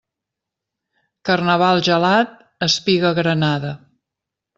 Carnaval gelat, espiga granada.